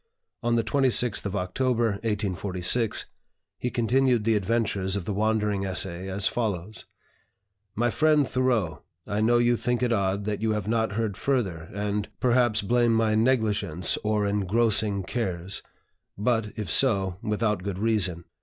On the 26th of October, 1846, he continued the adventures of the wandering essay as follows: "MY FRIEND THOREAU, I know you think it odd that you have not heard further, and, perhaps blame my negligence or engrossing cares, but, if so, without good reason.